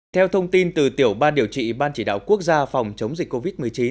theo thông tin từ tiểu ban điều trị ban chỉ đạo quốc gia phòng chống dịch covid một mươi chín